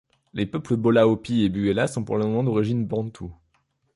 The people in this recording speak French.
Les peuples Bolaopi et Buela sont probablement d'origine Bantou.